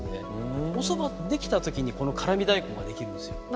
おそばができた時にこの辛味大根ができるんですよ。